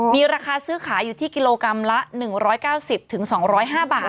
มีราคาซื้อขายอยู่ที่กิโลกรัมละ๑๙๐๒๐๕บาท